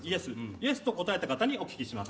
イエスと答えた方にお聞きします。